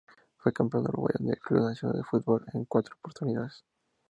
Fue campeón uruguayo con el Club Nacional de Football en cuatro oportunidades.